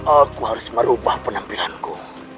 aku harus merubah penampilanku